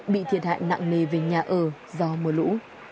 bị thiệt hại nặng nề về nhà ở do mưa lũ